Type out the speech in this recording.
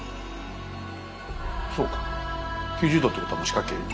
そうか９０度ってことはもう四角形。